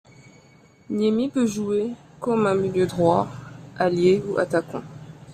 Niemi peut jouer comme un milieu droit, ailier ou attaquant.